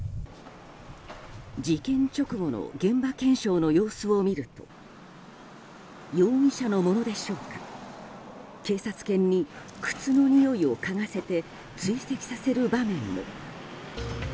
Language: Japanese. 事件直後の現場検証の様子を見ると容疑者のものでしょうか警察犬に靴のにおいをかがせて追跡させる場面も。